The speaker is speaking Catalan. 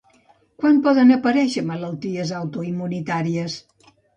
Quan poden aparèixer malalties autoimmunitàries?